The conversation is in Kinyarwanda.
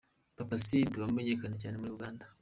Papa Cidy wamenyekanye cyane muri Uganda.